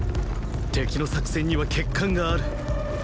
敵の作戦には欠陥がある！